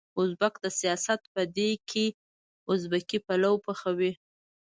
ازبک د سياست په دېګ کې ازبکي پلو پخوي.